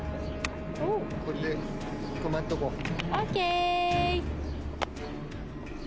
これで止まっとこう。ＯＫ。